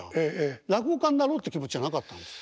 落語家になろうって気持ちはなかったんですか？